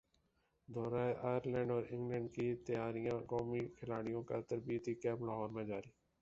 دورہ ائرلینڈ اور انگلینڈ کی تیاریاںقومی کھلاڑیوں کا تربیتی کیمپ لاہور میں جاری